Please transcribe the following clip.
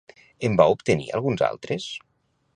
En va obtenir alguns altres?